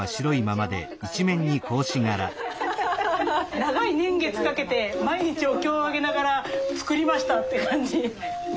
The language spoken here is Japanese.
長い年月かけて毎日お経上げながら作りましたって感じ。